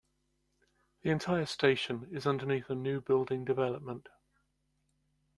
The entire station is underneath a new building development.